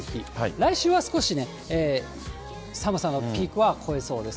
来週は少しね、寒さのピークは越えそうです。